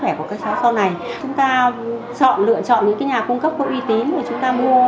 khỏe của các cháu sau này chúng ta chọn lựa chọn những cái nhà cung cấp có uy tín mà chúng ta mua